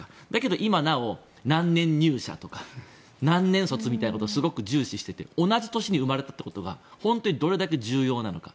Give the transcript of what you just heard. でも今なお何年入社とか何年卒みたいなことを重視していて同じ年に生まれたことが本当に重要なのか。